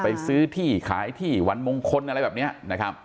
ไปซื้อที่ขายที่วันมงคลอะไรแบบนี้นะครับ